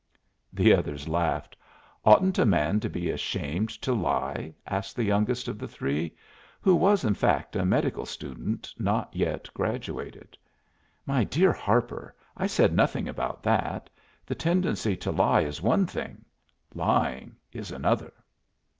The others laughed. "Oughtn't a man to be ashamed to lie?" asked the youngest of the three, who was in fact a medical student not yet graduated. "My dear Harper, I said nothing about that. The tendency to lie is one thing; lying is another."